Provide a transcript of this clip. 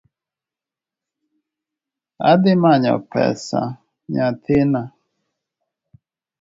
An adhi manyo pesa nyathina